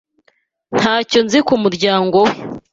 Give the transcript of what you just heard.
Ntacyo nzi ku muryango we.